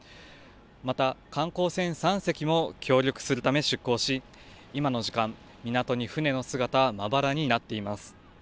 また、観光船３隻も協力するため出航し、今の時間、港に船の姿はまばらになっています。